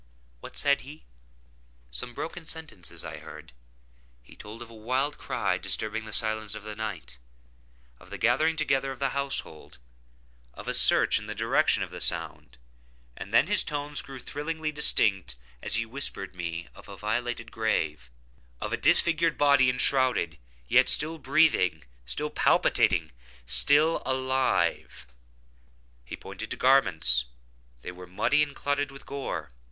What said he?—some broken sentences I heard. He told of a wild cry disturbing the silence of the night—of the gathering together of the household—of a search in the direction of the sound; and then his tones grew thrillingly distinct as he whispered me of a violated grave—of a disfigured body enshrouded, yet still breathing—still palpitating—still alive! He pointed to garments;—they were muddy and clotted with gore.